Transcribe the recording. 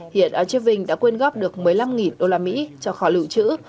hiện archiving đã quyên góp được một mươi năm usd cho kho lưu trữ